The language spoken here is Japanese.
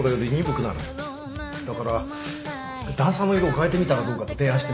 だから段差の色を変えてみたらどうかと提案してみた。